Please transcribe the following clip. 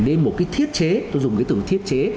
lên một cái thiết chế tôi dùng cái từ thiết chế